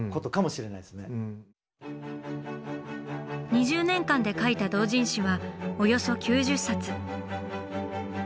２０年間で描いた同人誌はおよそ９０冊。